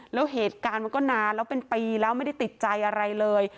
แล้วเหตุการณ์มันก็นานแล้วเป็นปีแล้วไม่ได้ติดใจอะไรเลย